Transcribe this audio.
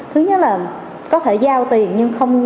thứ nhất là có thể giao tiền nhưng không